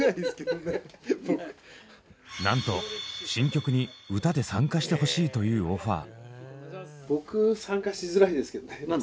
なんと「新曲に歌で参加してほしい」というオファー。